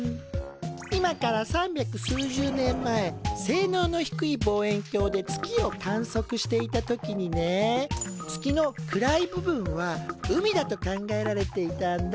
今から三百数十年前性能の低い望遠鏡で月を観測していた時にね月の暗い部分は海だと考えられていたんだ。